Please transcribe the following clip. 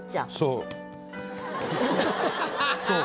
「そう」。